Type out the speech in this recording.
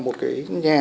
một cái nhà